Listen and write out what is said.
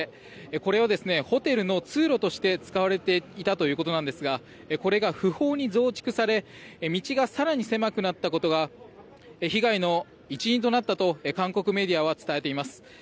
これをホテルの通路として使われていたということですがこれが不法に増築され道が更に狭くなったことが被害の一因となったと韓国メディアは伝えています。